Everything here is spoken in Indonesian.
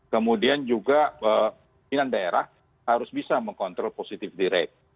kemudian juga pimpinan daerah harus bisa mengontrol positivity rate